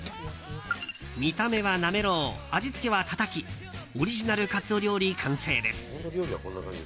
見た目はなめろう味付けはたたきオリジナルカツオ料理、完成です。